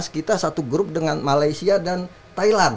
dua ribu delapan belas kita satu grup dengan malaysia dan thailand